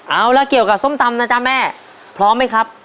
เอาละเกี่ยวกับส้มตำนะจ๊ะแม่พร้อมไหมครับ